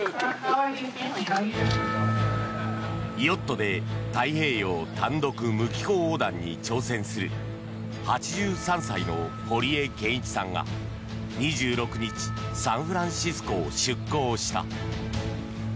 ヨットで太平洋単独無寄港横断に挑戦する８３歳の堀江謙一さんが２６日、サンフランシスコを出航した。